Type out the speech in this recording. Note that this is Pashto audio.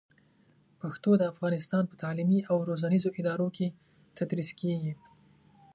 پښتو د افغانستان په تعلیمي او روزنیزو ادارو کې تدریس کېږي.